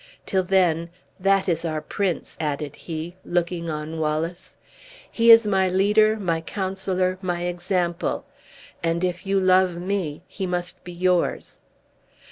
Till then, that is our prince," added he, looking on Wallace; "he is my leader, my counselor, my example! And, if you love me, he must be yours."